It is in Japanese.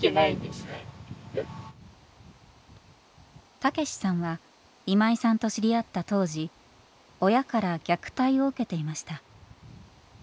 たけしさんは今井さんと知り合った当時親から虐待を受けていました。